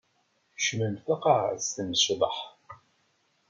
Kecmen taqaɛet n ccḍeḥ.